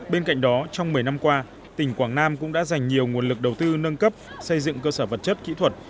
bên cạnh đó trong một mươi năm qua tỉnh quảng nam cũng đã dành nhiều nguồn lực đầu tư nâng cấp xây dựng cơ sở vật chất kỹ thuật